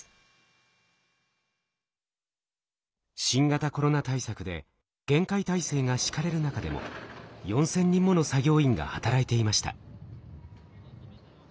新型コロナ対策で厳戒態勢が敷かれる中でも４，０００人もの作業員が働いていました。